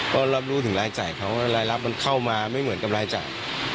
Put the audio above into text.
ก็รับรู้ถึงรายจ่ายเขารายรับมันเข้ามาไม่เหมือนกับรายจ่าย